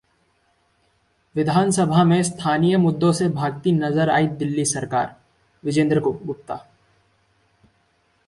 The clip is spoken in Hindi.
विधानसभा में स्थानीय मुद्दों से भागती नजर आई दिल्ली सरकारः विजेंदर गुप्ता